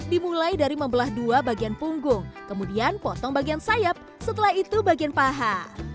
dimulai dari membelah dua bagian punggung kemudian potong bagian sayap setelah itu bagian paha